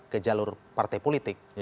ke jalur partai politik